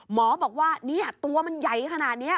หมอบอกว่าตัวมันใหญ่ขนาดนี้